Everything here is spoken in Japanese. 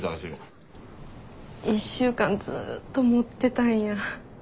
１週間ずっと持ってたんや。